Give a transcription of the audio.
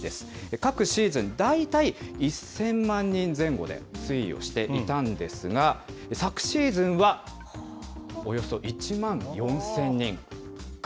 各シーズン、大体１０００万人前後で推移をしていたんですが、昨シーズンはおよそ１万４０００人。